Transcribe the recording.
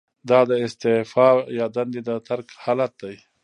دا د استعفا یا دندې د ترک حالت دی.